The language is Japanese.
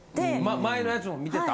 前のやつも見てた？